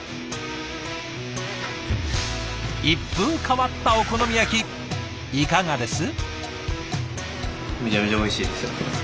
一風変わったお好み焼きいかがです？